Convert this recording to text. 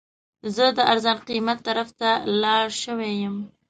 زه د ارزان قیمت طرف ته لاړ شوی یم.